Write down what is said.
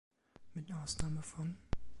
Mit Ausnahme von